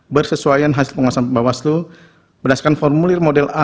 bersesuaian hasil penguasaan bawaslu berdasarkan formulir model a